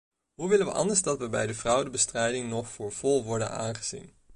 Hoe willen we anders dat we bij de fraudebestrijding nog voor vol worden aangezien?